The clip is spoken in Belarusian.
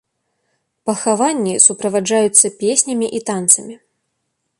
Пахаванні суправаджаюцца песнямі і танцамі.